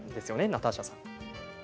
ナターシャさん。